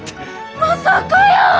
まさかやー！